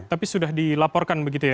tapi sudah dilaporkan begitu ya